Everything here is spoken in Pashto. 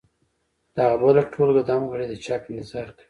دغه بله ټولګه دمګړۍ د چاپ انتظار کوي.